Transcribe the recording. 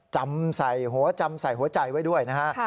จำใส่หัวใจไว้ด้วยนะครับ